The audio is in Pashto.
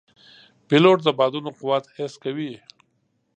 پیلوټ د بادونو قوت حس کوي.